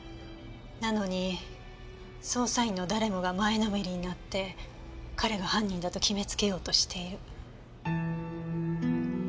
なのに捜査員の誰もが前のめりになって彼が犯人だと決めつけようとしている。